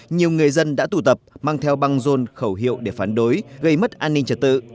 nhiều người dân đã tụ tập mang theo băng rôn khẩu hiệu để phán đối gây mất an ninh trật tự